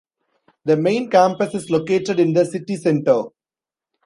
The main campus is located in the city centre.